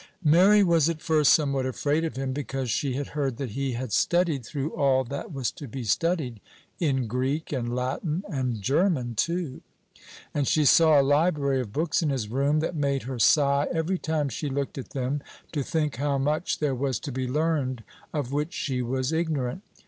Mary was at first somewhat afraid of him, because she had heard that he had studied through all that was to be studied in Greek, and Latin, and German too; and she saw a library of books in his room, that made her sigh every time she looked at them, to think how much there was to be learned of which she was ignorant.